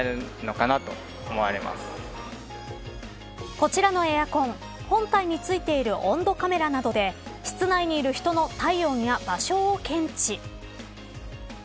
こちらのエアコン本体に付いている温度カメラなどで室内にいる人の体温や場所を検知。